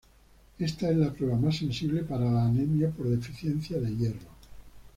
Esta es la prueba más sensible para la anemia por deficiencia de hierro.